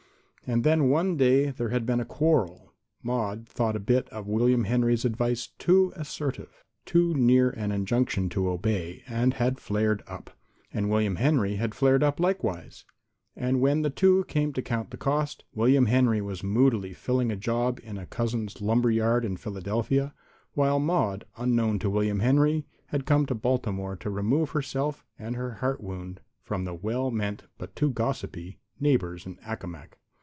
And then one day there had been a quarrel. Maude thought a bit of William Henry's advice too assertive, too near to an injunction to obey, and had flared up. And William Henry had flared up likewise. And when the two came to count the cost, William Henry was moodily filling a job in a cousin's lumber yard in Philadelphia, while Maude, unknown to William Henry, had come to Baltimore to remove herself and her heart wound from the well meant, but too gossipy, neighbors in Accomac.